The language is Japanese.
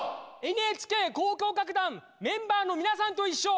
ＮＨＫ交響楽団メンバーのみなさんといっしょ！